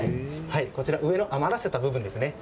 こちら、上の余らせた部分ですね。